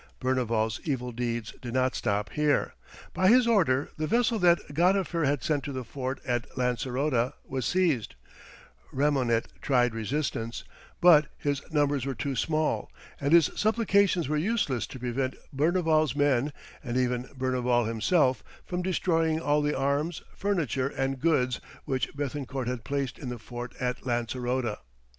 Berneval's evil deeds did not stop here. By his order the vessel that Gadifer had sent to the fort at Lancerota was seized; Remonnet tried resistance, but his numbers were too small, and his supplications were useless to prevent Berneval's men, and even Berneval himself, from destroying all the arms, furniture, and goods, which Béthencourt had placed in the fort at Lancerota.